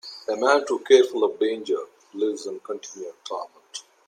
A man too careful of danger lives in continual torment.